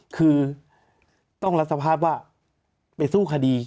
คือต้องรับสภาพว่าไปสู้คดี